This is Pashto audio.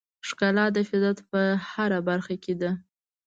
ښکلا د فطرت په هره برخه کې ده.